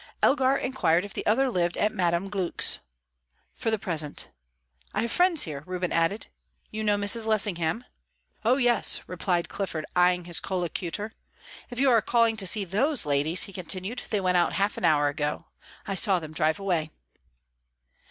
Elgar inquired if the other lived at Mrs. Gluck's. "For the present." "I have friends here," Reuben added. "You know Mrs. Lessingham?" "Oh yes," replied Clifford, eyeing his collocutor. "If you are calling to see those ladies," he continued, "they went out half an hour ago. I saw them drive away."